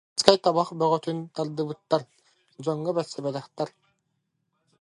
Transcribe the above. Кинилэр чаркааскай табах бөҕөтүн тардыбыттар, дьоҥҥо бэрсибэтэхтэр